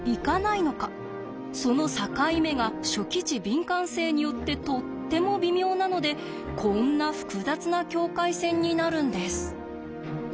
その境目が初期値敏感性によってとっても微妙なのでこんな複雑な境界線になるんです。